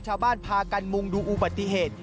ชาวบ้านพากันมุงดูอุบัติเหตุ